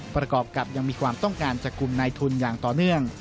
ประกอบกับยังมีความต้องการจับกลุ่มนายทุนอย่างต่อเนื่อง